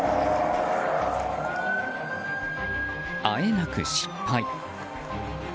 あえなく失敗。